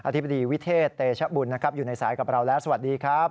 ธิบดีวิเทศเตชบุญนะครับอยู่ในสายกับเราแล้วสวัสดีครับ